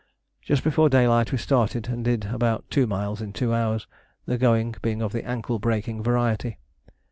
Just before daylight we started and did about two miles in two hours, the going being of the ankle breaking variety.